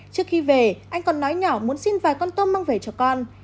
trước khi về anh còn nói nhỏ muốn xin vài con tôm mang về cho con